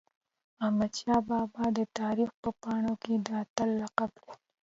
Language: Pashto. احمدشاه بابا د تاریخ په پاڼو کي د اتل لقب لري.